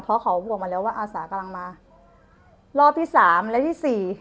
เพราะเขาบอกมาแล้วว่าอาสากำลังมารอบที่สามและที่สี่